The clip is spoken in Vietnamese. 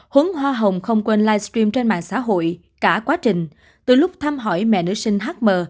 hướng hoa hồng không quên livestream trên mạng xã hội cả quá trình từ lúc thăm hỏi mẹ nữ sinh hm